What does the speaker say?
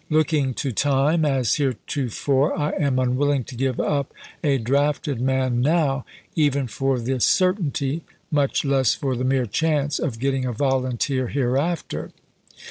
Looking to time, as heretofore, I am unwilling to give up a drafted man now, even for the certainty, much less for the mere chance, of getting a volunteer hereafter.